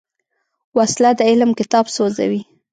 وسله د علم کتاب سوځوي